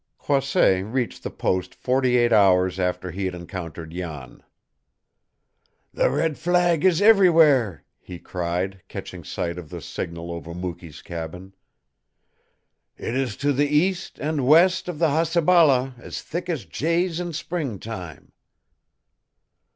Croisset reached the post forty eight hours after he had encountered Jan. "The red flag is everywhere!" he cried, catching sight of the signal over Mukee's cabin. "It is to the east and west of the Hasabala as thick as jays in springtime!"